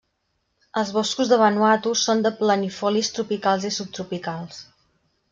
Els boscos de Vanuatu són de planifolis tropicals i subtropicals.